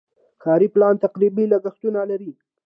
کاري پلان تقریبي لګښتونه لري.